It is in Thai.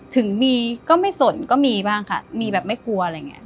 ถึงมีก็ไม่สนก็มีบ้างค่ะมีแบบไม่กลัวอะไรอย่างนี้